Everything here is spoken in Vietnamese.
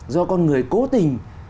do con người cố tình